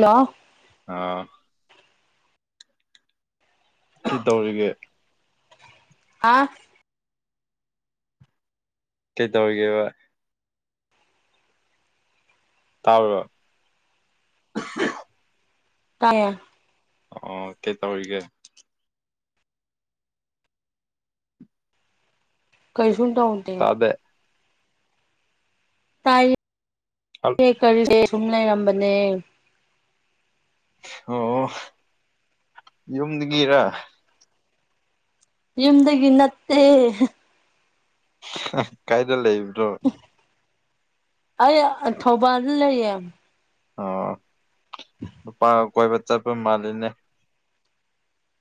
hello ꯑꯥ ꯁꯤ ꯇꯧꯔꯤꯒꯦ ꯑꯥ ꯀꯩ ꯇꯧꯒꯦꯕ ꯇꯕ ꯇꯥꯏ ꯑ ꯀꯩ ꯇꯧꯔꯤꯒꯦ ꯀꯩꯁꯟ ꯇꯎꯟꯗꯦ ꯇꯥꯗꯦ ꯇꯥꯏ ꯀꯔꯤ ꯁꯨꯝ ꯂꯩꯔꯝꯕꯅꯦ ꯑꯣ ꯌꯨꯝꯗꯒꯤꯔ ꯌꯝꯗꯗꯒꯤ ꯅꯠꯇꯦ ꯀꯥꯏꯗ ꯂꯩꯗ ꯑ ꯑ ꯊꯧꯕꯥꯔ ꯂꯩ ꯌꯥꯝ ꯑꯄꯥ ꯀꯣꯏꯕ ꯆꯠꯄ ꯃꯥꯜꯂꯤꯅꯦ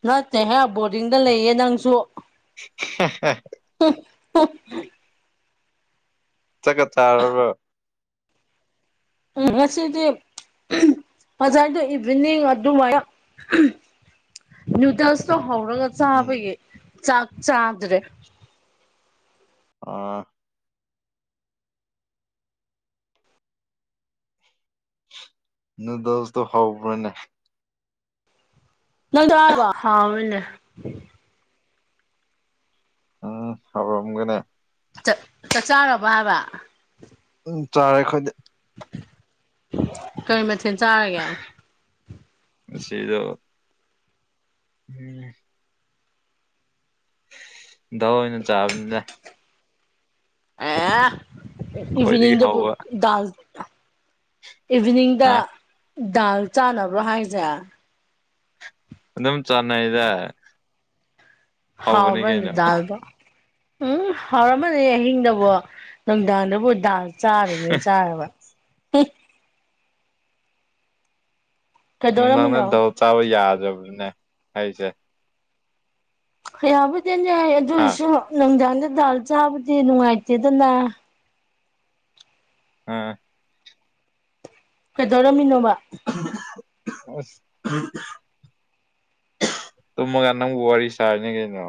ꯅꯠꯇꯦꯍꯦ ꯕꯣꯔꯗꯤꯡꯗ ꯂꯩꯌꯦ ꯅꯪꯁꯨ [unintelligible] [inaudible] ꯍ [unintelligible] [inaudible] ꯆ ꯀ ꯇꯥꯔꯔꯕ ꯁꯦꯗꯤ ꯍꯁꯥꯏꯗ ꯏꯚꯅꯤꯡ ꯑꯗꯨ ꯑꯗꯨꯃ ꯅ꯭ꯌꯨꯗꯦꯜꯁꯣ ꯍꯧꯔꯒ ꯎꯝ ꯆꯥꯕꯒꯤ ꯆꯥꯛ ꯆꯥꯗ꯭ꯔꯦ ꯑꯥ ꯅꯗꯁꯇꯣ ꯍ꯭ꯔꯅꯦ [unintelligible] [inaudible] ꯎꯝ ꯍꯕꯝꯒꯅꯦ ꯆꯥꯛ ꯆꯥꯔꯕ ꯍꯥꯏꯕ ꯎ ꯆꯥꯔꯦ ꯑꯩꯈꯣꯏꯗꯤ ꯀꯔꯤ ꯃꯊꯦꯜ ꯆꯥꯔꯒꯦ ꯉꯁꯤꯗꯣ ꯎꯝ ꯗꯥꯎ ꯑꯣꯏꯅ ꯆꯥꯕꯅꯤꯅ ꯑꯦ ꯈ꯭ꯋꯥꯏꯗꯒꯤ ꯏꯚꯅꯤꯡꯗ ꯍꯧꯕ ꯏꯚꯤꯅꯤꯡꯗ ꯍꯥ ꯗꯥꯜ ꯆꯥꯅꯕ꯭ꯔꯣ ꯍꯥꯏꯁꯦ ꯑꯗꯨꯝ ꯆꯅꯗ ꯍꯥꯎꯕꯅꯤꯗꯜꯕ ꯎꯝ ꯍꯥꯎꯔꯝꯃꯅꯤ ꯑꯍꯤꯡꯗꯕꯨ ꯅꯨꯡꯗꯥꯡꯗꯕꯨ ꯗꯥ ꯆꯥꯔꯤꯅꯦꯅ ꯆꯥꯔꯕ ꯎ [unintelligible] [inaudible] ꯅꯨꯡꯗꯥꯡꯗ ꯀꯩꯗꯧꯔꯝꯃꯤꯅꯣ ꯗꯧ ꯆꯥꯕ ꯌꯥꯗ꯭ꯔꯕꯅꯤꯅꯦ ꯑꯩꯁꯦ ꯍꯥ ꯌꯥꯕꯗꯤꯅꯁꯨ ꯅꯖ ꯗꯜ ꯆꯥꯕꯗꯤ ꯅꯨꯡꯉꯥꯏꯇꯦ ꯗꯅ ꯑꯥ ꯀꯩꯗꯧꯔꯝꯃꯤꯅꯣꯕ ꯑꯁ ꯇꯨꯝꯃꯒꯥ ꯅꯪꯕꯨ ꯋꯥꯔꯤ ꯁꯥꯥꯏꯅꯦ ꯀꯩꯅꯣ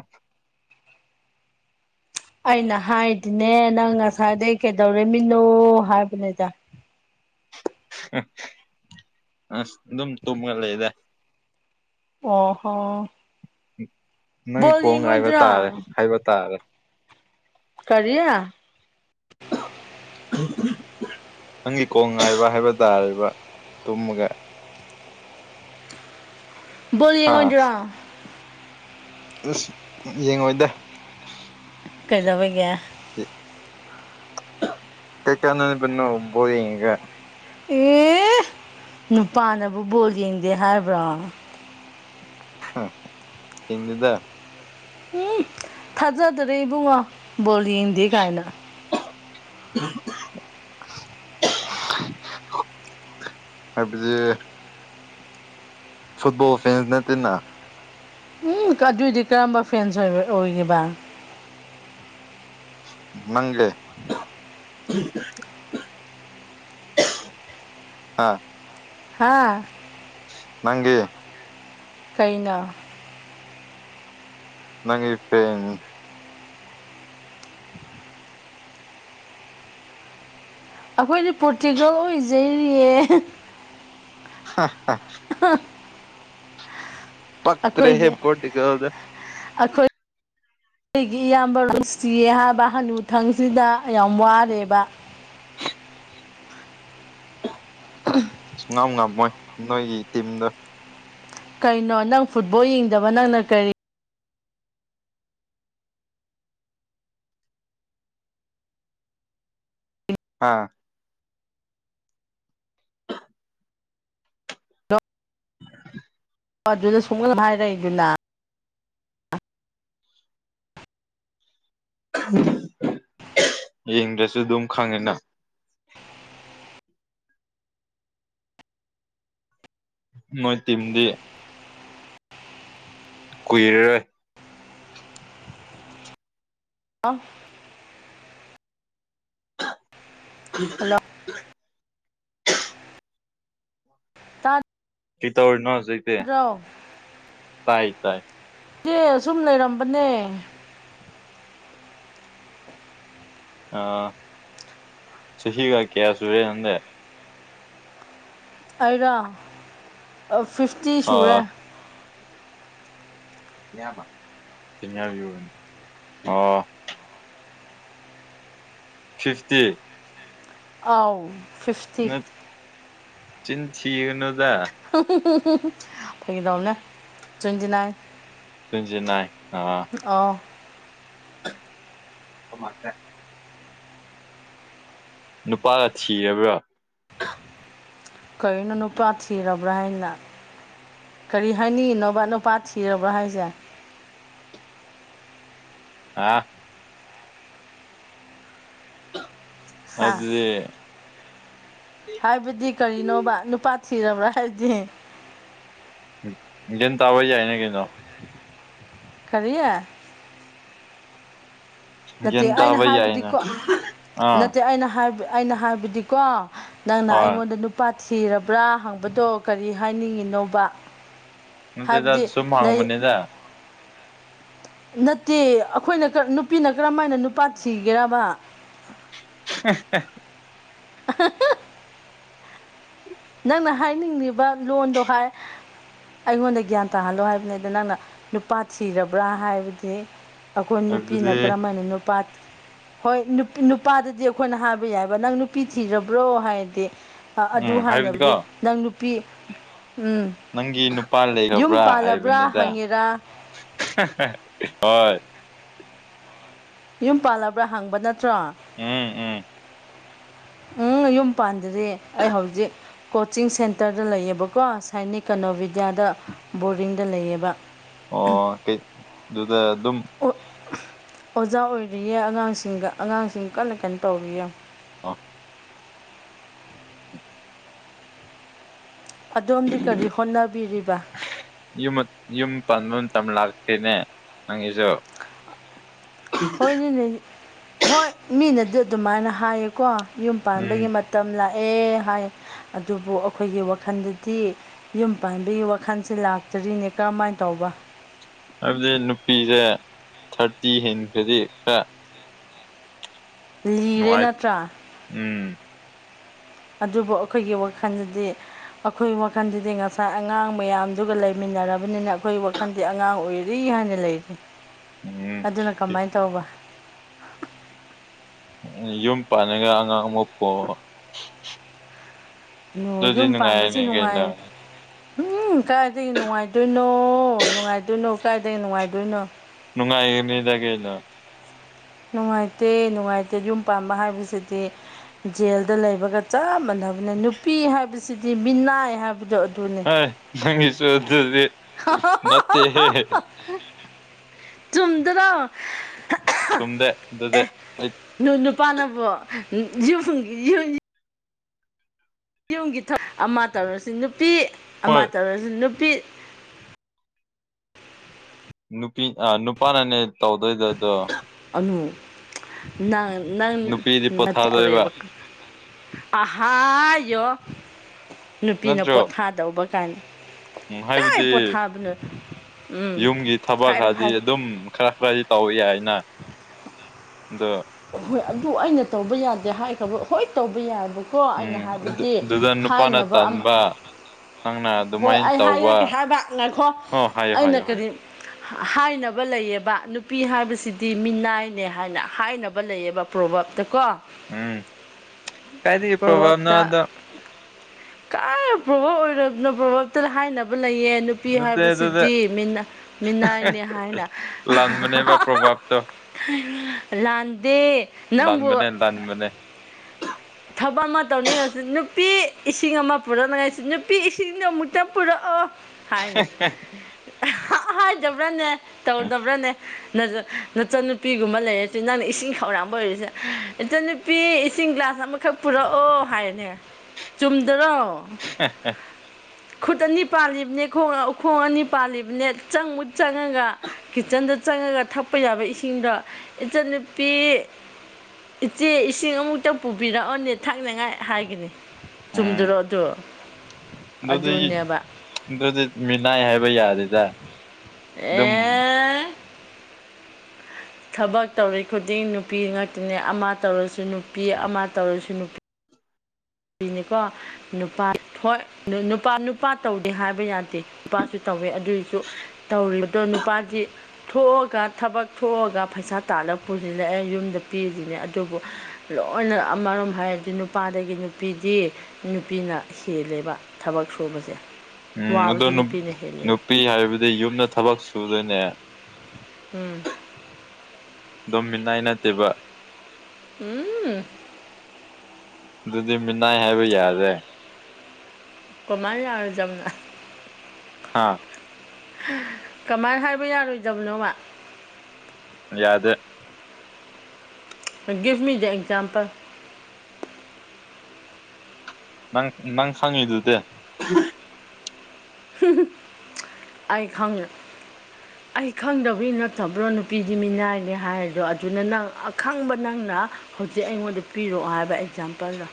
ꯑꯩꯅ ꯍꯥꯏꯗꯤꯅꯦ ꯅꯪ ꯉꯁꯥꯏꯗꯒꯤꯩ ꯀꯩꯗꯧꯔꯝꯃꯤꯅꯣ ꯍꯥꯏꯕꯅꯦꯗ ꯑꯁ ꯑꯗꯨꯝ ꯇꯨꯝꯃ ꯂꯩꯗ ꯑ ꯍꯣ ꯅꯪ ꯕꯣꯜ ꯀꯣꯜ ꯉꯥꯏꯕ ꯌꯦꯡꯉꯣꯏꯗ꯭ꯔꯣ ꯇꯥꯔꯦ ꯍꯥꯏꯕ ꯇꯥꯔꯦ ꯀꯔꯤꯌꯥ ꯅꯪꯒꯤ ꯀꯣꯜ ꯉꯥꯏꯕ ꯍꯥꯏꯕ ꯇꯥꯔꯦꯔꯤꯕ ꯇꯨꯝꯃꯒ ꯕꯣꯜ ꯍꯥ ꯂꯤꯒꯣꯟꯖꯔꯥ ꯑꯁ ꯌꯦꯡꯉꯣꯏꯗ ꯀꯩꯗꯧꯕꯒꯦ ꯀꯩ ꯀꯦꯟꯅꯕꯅꯣ ꯑꯦ ꯅꯨꯄꯥꯅꯕꯨ ꯕꯣꯜ ꯌꯦꯡꯗꯦ ꯍꯥꯏꯕ꯭ꯔꯣ ꯍꯥ ꯌꯦꯡꯗꯦꯗ ꯎꯝ ꯊꯥꯖꯗꯔꯦ ꯏꯕꯨꯡꯉꯣ ꯕꯣꯂ ꯍꯟꯗꯤ ꯀꯥꯏꯅ ꯑ ꯄꯦ ꯐꯨꯠꯕꯣꯜ ꯐꯦꯟꯁ ꯅꯅ ꯎꯝ ꯑꯗꯨꯏꯗꯤ ꯀꯔꯝꯕ ꯐ꯭ꯔꯦꯟꯁꯕ ꯑꯣꯏꯈꯤꯕ ꯅꯪꯒꯤ ꯍꯥꯥ ꯍꯥꯥ ꯅꯪꯒꯤ ꯀꯩꯅꯣ ꯅꯪꯒꯤ ꯐꯦꯟ ꯑꯩꯈꯣꯏꯗꯤ ꯄꯣꯔꯇꯤꯀꯜ ꯑꯣꯏꯖꯩꯔꯤꯌꯦ [unintelligible] ꯄꯛ ꯔꯦꯍꯦ ꯄꯇꯤ ꯀꯗ ꯑꯩꯈꯣꯏ ꯑꯩꯒꯤ ꯏꯌꯥꯝꯕ ꯔꯅꯨꯡꯁꯤꯌꯦ ꯍꯥꯏꯕ ꯍꯅꯨꯊꯪꯁꯤꯗ ꯌꯥꯝ ꯋꯥꯔꯦꯕ ꯁꯨꯡꯉꯝ ꯉꯝꯃꯣꯏ ꯅꯣꯏꯒꯤ ꯇꯤꯝꯗꯣ ꯀꯩꯅꯣ ꯅꯪ ꯐꯨꯠꯕꯣꯜ ꯌꯦꯡꯗꯕ ꯅꯪꯅ ꯀꯔꯤ ꯍꯥꯥ ꯑꯣ ꯑꯗꯨꯗ ꯁꯨꯡꯍꯜ ꯍꯥꯏꯔꯛꯏꯗꯨꯅ ꯌꯦꯡꯗ꯭ꯔꯁꯨ ꯑꯗꯨꯝ ꯈꯪꯉꯤꯅ ꯃꯣꯏ ꯇꯤꯝꯗꯤ ꯀꯨꯏꯔꯔꯣꯏ ꯑꯣ ꯍꯜꯂꯣ ꯇꯥꯗ ꯀꯩ ꯇꯧꯔꯤꯅꯣ ꯍꯧꯖꯤꯛꯇꯤ ꯇꯥꯏ ꯇꯥꯏ ꯏꯦ ꯑꯁꯨꯝ ꯂꯩꯔꯝꯕꯅꯦ ꯑ ꯁꯤ ꯍꯤꯒꯀꯦꯌꯥ ꯁꯨꯔꯦ ꯅꯗꯦ ꯑꯩꯔ ꯐꯤꯐꯇꯤ ꯑ ꯁꯨꯔꯦ ꯆ ꯑ ꯐꯤꯞꯇꯤ ꯑꯥꯎ ꯐꯤꯐꯇꯤ ꯆꯤꯟꯁꯤꯅ ꯐꯗꯅꯦ ꯇ꯭ꯋꯦꯟꯇꯤ ꯅꯥꯏꯟ ꯇ꯭ꯋꯦꯟꯇ ꯅꯥꯏꯟ ꯑ ꯑꯣ ꯑꯃ ꯀ ꯅꯨꯄꯥꯒ ꯊꯤꯔꯕ꯭ꯔꯥ ꯀꯔꯤꯅꯣ ꯅꯨꯄꯥ ꯊꯤꯔꯕ꯭ꯔꯥ ꯍꯥꯏꯅ ꯀꯔꯤ ꯍꯥꯏꯅꯤ ꯅꯣꯕꯥꯠꯅꯣꯄꯥ ꯊꯤꯔꯕ꯭ꯔꯥ ꯍꯥꯏꯁꯦ [inaudible] ꯑꯥ ꯍꯥ ꯑꯗꯨꯗꯤ ꯍꯥꯏꯕꯗꯤ ꯀꯔꯤꯅꯣꯕ ꯅꯨꯄꯥ ꯊꯤꯔꯕ꯭ꯔꯥ ꯍꯥꯏꯕꯗꯤ ꯒꯅ ꯇꯥꯕ ꯌꯥꯏꯅꯦ ꯀꯩꯅꯣ ꯀꯦ ꯅꯠꯇꯦ ꯒ꯭ꯌꯥꯟ ꯑꯩꯅ ꯇꯥꯕ ꯌꯥꯏꯅ ꯍꯥꯏꯕꯗꯤꯀꯣ ꯑꯥ ꯅꯠꯇꯦ ꯑꯩꯅ ꯍꯥꯏꯕ ꯑꯩꯅ ꯍꯥꯏꯕꯗꯤꯀꯣ ꯅꯪꯅ ꯍꯣꯏ ꯑꯩꯉꯣꯟꯗ ꯅꯨꯄꯥ ꯊꯤꯔꯕ꯭ꯔꯥ ꯍꯪꯕꯗꯣ ꯀꯔꯤ ꯍꯥꯏꯅꯤꯡꯉꯤꯅꯣꯕ ꯅꯠꯇꯦꯗ ꯍꯥꯏꯕꯗꯤ ꯁꯨꯝ ꯂꯩ ꯍꯥꯡꯕꯅꯤꯗ ꯅꯠꯇꯦ ꯑꯩꯈꯣꯏꯅ ꯅꯨꯄꯤꯅ ꯀꯔꯝꯃ ꯍꯥꯏꯅ ꯅꯨꯄꯥ ꯊꯤꯒꯦꯔꯕ [inaudible] [inaudible] ꯅꯪꯅ ꯍꯥꯏꯅꯤꯡꯉꯤꯕ ꯂꯣꯟꯗꯣ ꯍꯥꯏ ꯑꯩꯉꯣꯟꯗ ꯒ꯭ꯌꯥꯟ ꯇꯥꯍꯜꯂꯣ ꯍꯥꯏꯕꯅꯤ ꯑꯗ ꯅꯪꯅ ꯅꯨꯄꯥ ꯊꯤꯔꯕ꯭ꯔꯥ ꯍꯥꯏꯕꯗꯤ ꯑꯩꯈꯣꯏ ꯅꯨꯄꯤꯅ ꯍꯥꯏꯕꯗꯤ ꯀꯔꯝ ꯍꯥꯏꯅ ꯅꯨꯄꯥ ꯍꯣꯏ ꯅꯨ ꯅꯨꯄꯥꯗꯗꯤ ꯑꯩꯈꯣꯏꯅ ꯍꯥꯏꯕ ꯌꯥꯏꯑꯕ ꯅꯪ ꯅꯨꯄꯤ ꯊꯤꯔꯕ꯭ꯔꯣ ꯍꯥꯏꯔꯗꯤ ꯎꯝ ꯑꯗꯨ ꯍꯥꯏꯅꯕꯗꯤ ꯍꯥꯏꯕꯗꯤꯀꯣ ꯅꯪ ꯅꯨꯄꯤ ꯎꯝ ꯅꯪꯒꯤ ꯅꯨꯄꯥ ꯌꯨꯝ ꯂꯩꯔꯕ꯭ꯔꯥ ꯄꯥꯜꯂꯕ꯭ꯔꯥ ꯍꯥꯏꯕꯅꯤꯗ ꯍꯪꯉꯤꯔꯥ ꯍꯣꯏ ꯌꯨꯝ ꯄꯥꯜꯂꯕ꯭ꯔꯥ ꯍꯪꯕ ꯅꯠꯇ꯭ꯔꯣ ꯎꯝ ꯎꯝ ꯎꯝ ꯌꯨꯝ ꯄꯥꯟꯗ꯭ꯔꯤ ꯑꯩ ꯍꯧꯖꯤꯛ ꯀꯣꯆꯤꯡ ꯁꯦꯟꯇꯔꯗ ꯂꯩꯑꯕꯀꯣ ꯁꯥꯏꯅꯤ ꯀꯅꯣꯚꯤꯗ꯭ꯌꯥꯗ ꯕꯣꯔꯗꯤꯡꯗ ꯂꯩꯑꯕ ꯑꯣ ꯀꯩ ꯑꯗꯨꯗ ꯑꯗꯨꯝ ꯑꯣꯖꯥ ꯑꯣꯏꯔꯤꯌꯦ ꯑꯉꯥꯡꯁꯤꯡꯒ ꯑꯉꯥꯡꯁꯤꯡ ꯀꯟꯅ ꯀꯟꯅ ꯇꯧꯔꯤꯌꯦ ꯑ ꯑꯗꯣꯝꯗꯤ ꯀꯔꯤ ꯍꯣꯠꯅꯕꯤꯔꯤꯕ ꯌ ꯌꯨꯝ ꯄꯨꯡ ꯇꯝꯂꯥ ꯍꯅꯦ ꯅꯪꯤꯁꯨ ꯍꯣꯏꯅꯦꯅꯦ ꯍꯣꯏ ꯃꯤꯅꯗꯤ ꯑꯗꯨꯃꯥꯏꯅ ꯍꯥꯏꯌꯦꯀꯣ ꯌꯨꯝ ꯎꯝ ꯄꯥꯟꯕꯒꯤ ꯃꯇꯝ ꯂꯥꯛꯑꯦ ꯍꯥꯏ ꯑꯗꯨꯕꯨ ꯑꯩꯈꯣꯏꯒꯤ ꯋꯥꯈꯜꯗꯗꯤ ꯌꯨꯝ ꯄꯥꯟꯕꯒꯤ ꯋꯥꯈꯜꯁꯦ ꯂꯥꯛꯇꯔꯤꯅꯦ ꯀꯔꯝꯍꯥꯏꯅ ꯇꯧꯕ ꯋꯥ ꯍꯥꯏꯕꯗꯤ ꯅꯨꯄꯤꯁꯦ ꯊꯥꯔꯇꯤ ꯍꯦꯟꯈ꯭ꯔꯗꯤ ꯈꯔ ꯂꯤꯔꯦ ꯅꯅꯨꯡꯉꯥꯏ ꯅꯠꯇ꯭ꯔꯥ ꯎꯝ ꯑꯗꯨꯕꯨ ꯑꯩꯈꯣꯏꯒꯤ ꯋꯥꯈꯜꯗꯗꯤ ꯑꯩꯈꯣꯏ ꯋꯥꯈꯜꯗꯨꯗꯤ ꯉꯁꯥꯏ ꯑꯉꯥꯡ ꯃꯌꯥꯝꯗꯨꯒ ꯂꯩꯃꯤꯟꯅꯔꯕꯅꯤꯅ ꯑꯩꯈꯣꯏ ꯋꯥꯈꯜꯗꯤ ꯑꯉꯥꯡ ꯑꯣꯏꯔꯤ ꯍꯥꯟꯅ ꯂꯩꯔꯤ ꯎꯝ ꯑꯗꯨꯅ ꯀꯃꯥꯏꯅ ꯇꯧꯕ ꯌꯨꯝ ꯄꯅꯦꯒ ꯑꯉꯥꯡꯉꯄꯣ ꯌꯨꯝ ꯄꯥꯟꯕꯁ ꯀꯩꯅꯣ ꯅꯨꯡꯉꯥꯏ ꯎꯝ ꯀꯥꯏꯗꯒꯤ ꯅꯨꯡꯉꯥꯏꯗꯣꯏꯅꯣ ꯅꯨꯡꯉꯥꯏꯗꯣꯏꯅꯣ ꯀꯥꯏꯗꯒꯤ ꯅꯨꯡꯉꯥꯏꯗꯣꯏꯅꯣ ꯅꯨꯡꯉꯥꯏꯃꯤꯗꯒꯤꯦꯅ ꯅꯨꯡꯉꯥꯏꯇꯦ ꯅꯨꯡꯉꯥꯏꯇꯦ ꯌꯨꯝ ꯄꯥꯟꯕ ꯍꯥꯏꯕꯁꯤꯗꯤ ꯖꯦꯜꯗ ꯂꯩꯕꯒ ꯆꯞ ꯃꯥꯟꯅꯩ ꯅꯨꯄꯤ ꯍꯥꯏꯕꯁꯤꯗꯤ ꯃꯤꯅꯥꯏ ꯍꯥꯏꯕꯗꯣ ꯑꯗꯨꯅꯦ ꯑ ꯅꯪꯁꯨꯦ ꯃꯦ ꯆꯨꯝꯗ꯭ꯔ ꯁꯗꯦ ꯑꯗꯨꯗꯦ ꯄꯥꯟꯅꯕꯣ ꯌꯨꯝꯒꯤ ꯑꯃ ꯇꯧꯔꯁꯤ ꯅꯨꯄꯤ ꯑꯃ ꯍꯣꯏ ꯇꯧꯔꯁꯤ ꯅꯨ ꯐꯦ [unintelligible] [inaudible] ꯅꯨꯄꯤ ꯅꯨꯄꯥꯅꯅꯦ ꯇꯧꯗꯣꯏꯗ ꯑꯗꯣ ꯎ ꯏ [unintelligible] [inaudible] ꯅꯪ ꯅꯨꯄꯤꯗꯤ ꯅ ꯄꯣꯊꯥꯗꯣꯏꯕ ꯆꯎꯔꯦꯕ ꯑꯍꯥꯌꯣ ꯅꯨꯄꯤꯅ ꯅꯠꯇ꯭ꯔꯣ ꯄꯣꯊꯥꯗꯧꯕ ꯀꯥꯏꯅ ꯎꯝ ꯀꯥꯏ ꯍꯥꯏꯕꯗꯤ ꯄꯣꯊꯥꯕꯅꯣ ꯎꯝ ꯌꯨꯝꯒꯤ ꯊꯕꯛ ꯍꯥꯏꯔꯣ ꯍꯥꯏꯗꯤ ꯍꯥꯏꯔꯣ ꯑꯗꯨꯝ ꯈꯔ ꯈꯔꯗꯤ ꯇꯧ ꯌꯥꯏ ꯗ [unintelligible] [inaudible] ꯍꯣꯏ ꯑꯗꯨ ꯑꯩꯅ ꯇꯧꯕ ꯌꯥꯗꯦ ꯍꯥꯏꯈ꯭ꯔꯕ ꯍꯣꯏ ꯇꯧꯕ ꯌꯥꯕ ꯀꯣ ꯑꯩꯅ ꯎꯝ ꯍꯥꯏꯕꯗꯤ ꯑꯗꯨꯗ ꯅꯨꯄꯥꯅ ꯍꯥꯏꯅꯕ ꯑꯃ ꯇꯟꯕ ꯅꯪꯅ ꯍꯣꯏ ꯑꯗꯨꯃꯥꯏꯅ ꯑꯩ ꯍꯥꯏꯔꯛꯀꯦ ꯇꯧꯕ ꯍꯥꯏꯕ ꯉꯥꯏꯈꯣ ꯑꯣ ꯍꯥꯏꯌꯣ ꯑꯩꯅ ꯍꯥꯏꯌꯣ ꯍꯥꯏꯌꯣ ꯀꯔꯤ ꯍꯥꯏꯅꯕ ꯂꯩꯌꯦꯕ ꯅꯨꯄꯤ ꯍꯥꯏꯕꯁꯤꯗꯤ ꯃꯤꯅꯥꯏꯅꯦ ꯍꯥꯏꯅ ꯍꯥꯏꯅꯕ ꯂꯩꯕ ꯄ꯭ꯔꯣꯚꯇ ꯀꯣ ꯎꯝ ꯀꯥꯏꯗꯒꯤ ꯄ꯭ꯔꯣꯚꯞꯇ ꯄ꯭ꯔꯣꯕꯥꯝꯅꯣꯗ ꯀ ꯄ꯭ꯔꯚ ꯑꯣꯏꯔꯕꯅꯣ ꯄ꯭ꯔꯣꯚꯇ ꯍꯥꯏꯅꯕ ꯂꯩꯌꯦ ꯅꯨꯄꯤ ꯅꯠꯇꯦ ꯑꯗꯨꯗ ꯍꯥꯏꯕꯁꯤꯗꯤ ꯃꯤꯅꯥꯏꯅꯤ ꯍꯥꯏꯅ ꯂꯥꯟꯕꯅꯦꯕ ꯄ꯭ꯔꯣꯚꯥꯞꯇꯣ ꯂꯥꯟ ꯅꯪꯕꯨ ꯂꯥꯟꯕꯅꯦ ꯂꯥꯟꯕꯅꯦ ꯊꯕꯛ ꯑꯃ ꯇꯧꯅꯤꯡꯔꯁꯤ ꯅꯨꯄꯤ ꯏꯁꯤꯡ ꯑꯃ ꯄꯨꯔꯛꯅꯉꯥꯏꯁꯤ ꯅꯨꯄꯤ ꯏꯁꯤꯡꯗꯣ ꯑꯃꯨꯛꯇ ꯄꯨꯔꯛꯑꯣ ꯍꯥꯏꯅꯤ ꯍꯥꯏꯗꯕ꯭ꯔꯅꯦ ꯇꯧꯗꯕ꯭ꯔꯥꯅꯦ ꯅ ꯅꯆ ꯅꯨꯄꯤꯒꯨꯝꯕ ꯂꯩꯔꯁꯨ ꯅꯪꯅ ꯏꯁꯤꯡ ꯈꯧꯔꯥꯡꯝꯕ ꯑꯣꯏꯔꯤꯁꯦ ꯏꯆꯟꯅꯨꯄꯤ ꯏꯁꯤꯡ ꯒ꯭ꯂꯥꯁ ꯑꯃꯈꯛ ꯄꯨꯔꯛꯑꯣ ꯍꯥꯏꯔꯅꯦ ꯆꯨꯝꯗ꯭ꯔꯣ [unintelligible] [inaudible] ꯈꯨꯠ ꯑꯅꯤ ꯄꯥꯜꯂꯤꯕꯅꯦ ꯈꯣꯡ ꯑꯅꯤ ꯄꯥꯜꯂꯤꯕꯅꯦ ꯆꯪꯃꯨ ꯆꯪꯉꯒ ꯀꯤꯠꯆꯟꯗ ꯆꯪꯉꯒ ꯊꯛꯄ ꯌꯥꯕ ꯏꯁꯤꯡꯗꯣ ꯏꯟꯆꯟ ꯄꯤ ꯏꯆꯦ ꯏꯁꯤꯡ ꯑꯃꯨꯛꯇ ꯄꯨꯕꯤꯔꯛꯑꯣꯅꯦ ꯊꯥꯛꯅꯉꯥꯏ ꯍꯥꯏꯒꯅꯤ ꯆꯨꯝꯗꯔꯛ ꯑꯗꯨ ꯑꯗꯨ ꯑꯗꯨꯗꯤ ꯑꯗꯨꯅꯦꯕ ꯑꯗꯨꯗꯤ ꯃꯤꯅꯥꯏ ꯍꯥꯏꯕ ꯌꯥꯗꯦꯗ ꯑꯗꯨꯝ ꯑꯦ [inaudible] ꯊꯕꯛ ꯇꯧꯔꯤ ꯈꯨꯗꯤꯡ ꯅꯨꯄꯤ ꯉꯥꯛꯇꯅꯦꯩ ꯑꯃ ꯇꯧꯔꯁꯨ ꯅꯨꯄꯤ ꯑꯃ ꯇꯧꯔꯁꯨ ꯅꯨꯄꯤ ꯅꯤꯀꯣ ꯅꯨꯄꯥ ꯍꯣꯏ ꯅꯨ ꯅꯨꯄꯥ ꯇꯧꯗꯦ ꯍꯥꯏꯕ ꯌꯥꯗꯦ ꯅꯨꯄꯥꯁꯨ ꯇꯧ ꯇꯧꯋꯦ ꯑꯗꯨꯏꯁꯨ ꯇꯧꯔꯤꯕꯗꯣ ꯅꯨꯄꯥꯁꯤ ꯊꯣꯛꯑꯒ ꯊꯕꯛꯑꯒ ꯄꯩꯁꯥ ꯇꯥꯜ ꯄꯨꯁꯤꯅ ꯑꯩ ꯌꯨꯝꯗ ꯄꯤꯔꯤꯁꯤꯅꯦ ꯑꯗꯨꯕꯨ ꯂꯣꯏꯅ ꯑꯃꯔꯣꯝ ꯍꯥꯏꯔꯗꯤ ꯅꯨꯄꯥꯗꯒꯤ ꯅꯨꯄꯤꯗꯤ ꯅꯨꯄꯤꯅ ꯍꯦꯜꯂꯦꯕ ꯊꯕꯛ ꯁꯨꯕꯁꯦ ꯎꯝ ꯑꯗ ꯋꯥꯕꯁꯨ ꯅꯨꯄꯤꯅ ꯍꯦꯜꯂꯦꯕ ꯅꯨꯄꯤ ꯍꯥꯏꯕꯗꯤ ꯌꯨꯝꯗ ꯊꯕꯛ ꯁꯨꯗꯣꯏꯅꯦ ꯎꯝ ꯗꯣꯃꯤꯅꯥꯏ ꯅꯠꯇꯦꯕ ꯎꯝ ꯑꯗꯨꯗꯤ ꯃꯤꯅꯥꯏ ꯍꯥꯏꯕ ꯌꯥꯔꯦ ꯀꯃꯥꯏꯔ ꯆꯝꯅ ꯍꯥꯥ ꯀꯃꯥꯏꯅ ꯍꯥꯏꯕ ꯌꯥꯔꯣꯏꯗꯕꯅꯣꯃ ꯌꯥꯗꯦ ꯒꯤꯞ ꯃꯤꯗꯤ ꯑꯦꯛꯖꯝꯄꯜ ꯅꯪ ꯅꯪ ꯍꯪꯉꯤꯗꯨꯗꯤ ꯑꯩ ꯈꯪ ꯑꯩ ꯈꯪꯗꯕꯒꯤ ꯅꯠꯇꯕ꯭ꯔꯣ ꯅꯨꯄꯤꯗꯤ ꯃꯤꯅꯥꯏꯅꯦ ꯍꯥꯏꯔꯗꯣ ꯑꯗꯨꯅ ꯅꯪ ꯑꯈꯪꯕ ꯅꯪ ꯈ ꯍꯧꯖꯤꯛ ꯑꯩꯉꯣꯟꯗ ꯄꯤꯔꯛꯑꯣ ꯍꯥꯏꯕ ꯑꯦꯛꯖꯥꯝꯄꯜꯗ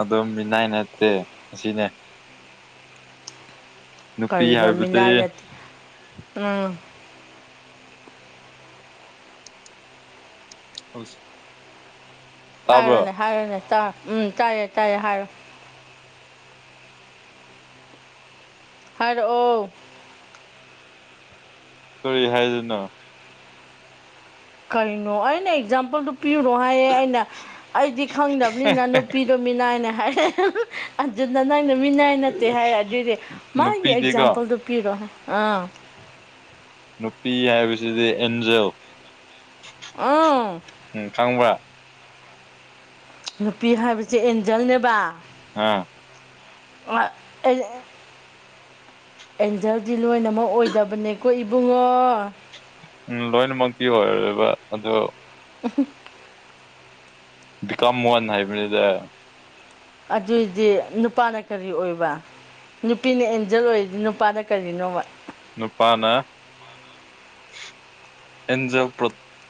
ꯑꯗꯨꯝ ꯃꯤꯅꯥꯏ ꯅꯠꯇꯦ ꯑꯁꯤꯅꯦ ꯅꯨꯄꯤ ꯍꯥꯏꯕꯗꯤ ꯀꯔꯤꯅꯃꯤꯅꯅ ꯎꯝ ꯍꯣꯏꯁ ꯍꯥꯏꯔꯣꯅꯦ ꯍꯥꯏꯔꯣꯅꯦ ꯎꯝ ꯇꯥꯏꯌꯦꯦ ꯇꯥꯏꯌꯦꯦ ꯍꯥꯏꯔꯣ ꯍꯥꯏꯔ ꯑꯣ ꯀꯔꯤ ꯍꯥꯏꯗꯅꯣ ꯀꯩꯅꯣ ꯑꯩꯅ ꯑꯦꯛꯖꯥꯝꯄꯜꯗꯨ ꯄꯤꯔꯨꯔꯣ ꯍꯥꯏꯌꯦ ꯑꯩꯅ ꯑꯩꯗꯤ ꯈꯪꯗꯕꯅꯤꯅ ꯅꯨꯄꯤꯗꯨꯣ ꯃꯤꯅꯥꯏꯅꯦ ꯍꯥꯏꯔꯛꯦ ꯑꯟꯖꯤꯗ ꯅꯪ ꯑ ꯃꯤꯅꯥꯏ ꯅꯠꯇꯦ ꯍꯥꯏꯔ ꯑꯗꯨꯏꯗꯤ ꯃꯥꯒꯤ ꯅꯨꯄꯤꯗꯤꯀꯣ ꯑꯦꯛꯖꯥꯝꯄꯜꯗꯨꯣ ꯄꯤꯔꯣ ꯑꯥ ꯅꯨꯄꯤ ꯍꯥꯏꯕꯁꯤꯗꯤ ꯑꯦꯟꯖꯦꯜ ꯑꯥ ꯎꯝ ꯈꯪꯕ꯭ꯔꯥ ꯅꯨꯄꯤ ꯍꯥꯏꯕꯕꯁꯤꯦ ꯑꯦꯟꯖꯜꯅꯦꯕ ꯑꯥ [inaudible] ꯑꯦꯟꯖꯦꯜꯗꯤ ꯂꯣꯏꯅꯃꯛ ꯑꯣꯏꯗꯕꯅꯦꯀꯣ ꯏꯕꯨꯡꯉꯣ ꯎꯝ ꯂꯣꯏꯅꯃꯛꯇꯤ ꯑꯣꯏꯔꯣꯏꯕ ꯑꯣ ꯎ ꯕꯤꯀꯝ ꯋꯥꯟ ꯍꯥꯏꯕꯅꯤꯗ ꯑꯗꯨꯏꯗꯤ ꯅꯨꯄꯥꯅ ꯀꯔꯤ ꯑꯣꯏꯕ ꯅꯨꯄꯤꯅ ꯑꯦꯟꯖꯜ ꯑꯣꯏꯔꯤꯗꯤ ꯅꯨꯄꯥꯅ ꯀꯔꯤꯅꯣꯕ ꯅꯨꯄꯥꯅ ꯑꯦꯟꯖ